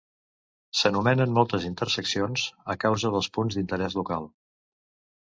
S'anomenen moltes interseccions a causa dels punts d'interès local.